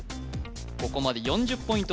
ここまで４０ポイント